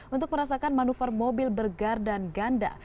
untuk merasakan manuver mobil burgar dan ganda